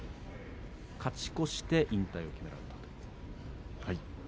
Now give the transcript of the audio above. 勝ち越して引退を決められました。